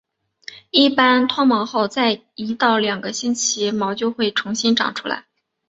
一般脱毛后在一到两个星期毛就回重新长出来。